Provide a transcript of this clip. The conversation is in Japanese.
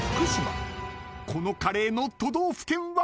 ［このカレーの都道府県は！？］